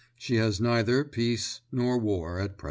She has neither peace nor war at present.